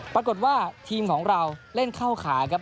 ปรากฏว่าทีมของเราเล่นเข้าขาครับ